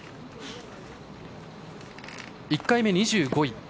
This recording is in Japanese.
１回目２５位。